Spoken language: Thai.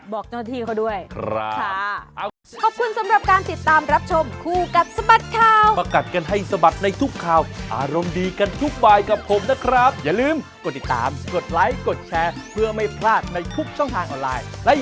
บอกเจ้าหน้าที่เขาด้วย